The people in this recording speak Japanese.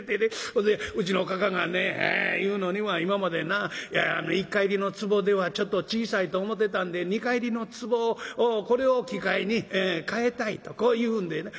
ほんでうちのかかあがね言うのには『今までな一荷入りのつぼではちょっと小さいと思うてたんで二荷入りのつぼをこれを機会に替えたい』とこう言うんでね